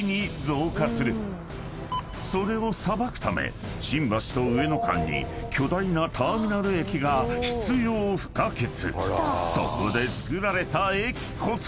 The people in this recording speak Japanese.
［それをさばくため新橋と上野間に巨大なターミナル駅が必要不可欠］